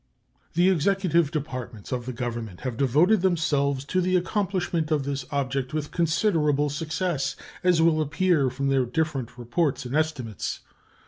The Executive Departments of the Government have devoted themselves to the accomplishment of this object with considerable success, as will appear from their different reports and estimates.